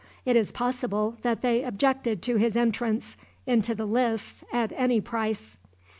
It is possible that they objected to his entrance into the lists at any price.